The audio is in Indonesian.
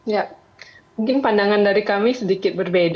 ya mungkin pandangan dari kami sedikit berbeda terkait ini